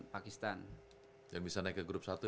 pakistan yang bisa naik ke grup